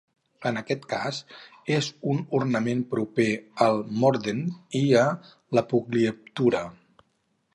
En aquest cas és un ornament proper al mordent i a l'appoggiatura.